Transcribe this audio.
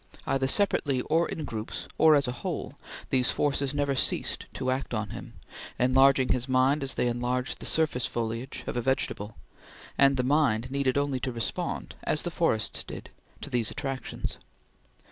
Either separately, or in groups, or as a whole, these forces never ceased to act on him, enlarging his mind as they enlarged the surface foliage of a vegetable, and the mind needed only to respond, as the forests did, to these attractions.